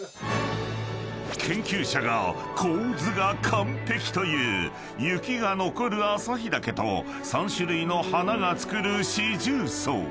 ［研究者が「構図が完璧」という雪が残る朝日岳と３種類の花がつくる四重奏］